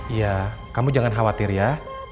iya kamu jangan khawatir ya